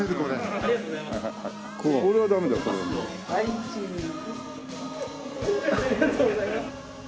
ありがとうございます。